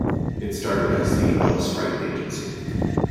It started as the Ellis-Wright Agency.